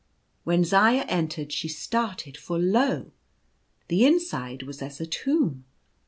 When Zaya entered, she started, for lo ! the inside was as a tomb.